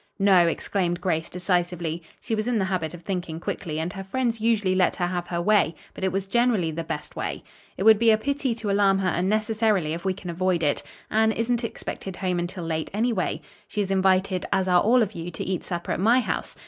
"No," exclaimed Grace decisively. She was in the habit of thinking quickly and her friends usually let her have her way; but it was generally the best way. "It would be a pity to alarm her unnecessarily if we can avoid it. Anne isn't expected home until late, anyway. She is invited as are all of you to eat supper at my house.